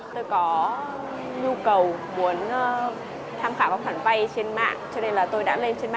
tôi có nhu cầu muốn tham khảo các khoản vai trên mạng cho nên là tôi đã lên trên mạng để tìm hiểu